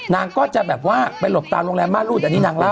นางก็จะแบบว่าไปหลบตามโรงแรมม่ารูดอันนี้นางเล่า